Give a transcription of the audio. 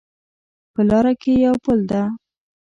په لاره کې یو پل ده